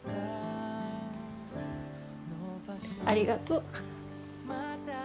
ありがとう。